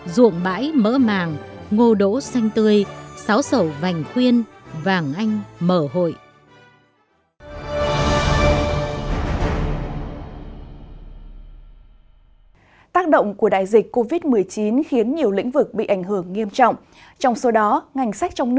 ruộng bãi mỡ màng ngô đỗ xanh tươi sáo sầu vành khuyên vàng anh mở hội